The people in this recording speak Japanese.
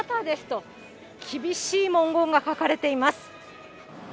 人、厳しい文言が書かれています。